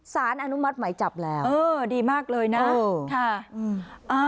สารอนุมัติหมายจับแล้วเออดีมากเลยนะค่ะ